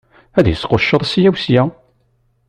Ad d-isqucceḍ sya u sya.